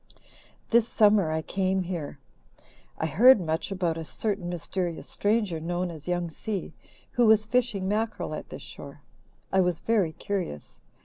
"This summer I came here. I heard much about a certain mysterious stranger known as 'Young Si' who was fishing mackerel at this shore. I was very curious.